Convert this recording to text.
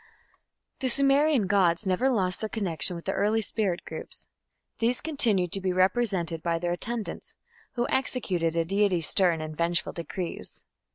The Sumerian gods never lost their connection with the early spirit groups. These continued to be represented by their attendants, who executed a deity's stern and vengeful decrees.